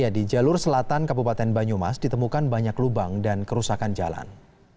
di jalur selatan kabupaten banyumas ditemukan banyak lubang dan kerusakan jalan